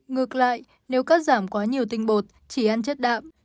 ngược lại nếu cắt giảm quá nhiều tinh bột chỉ ăn chất đạm